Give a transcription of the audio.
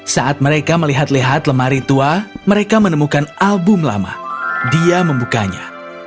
saat mereka melihat lihat lemari tua mereka menemukan album lama dia membukanya